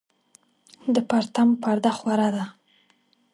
د پرتم پرده خوره ده